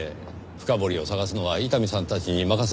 深堀を捜すのは伊丹さんたちに任せましょう。